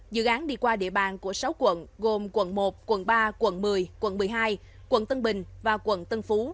dự án đi qua địa bàn của sáu quận gồm quận một quận ba quận một mươi quận một mươi hai quận tân bình và quận tân phú